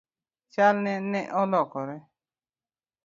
Chalne ne olokore?